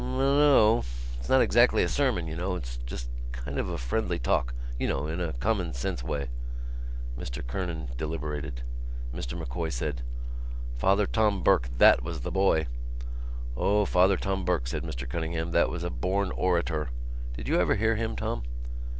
"Munno.... It's not exactly a sermon, you know. It's just kind of a friendly talk, you know, in a common sense way." Mr Kernan deliberated. Mr M'Coy said: "Father Tom Burke, that was the boy!" "O, Father Tom Burke," said Mr Cunningham, "that was a born orator. Did you ever hear him, Tom?"